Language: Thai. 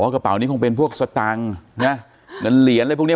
อ๋อกระเป๋านี้คงเป็นพวกสตังค์เนี้ยเงินเหรียญเลยพวกเนี้ย